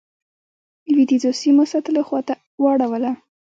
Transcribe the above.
لوېدیځو سیمو ساتلو خواته واړوله.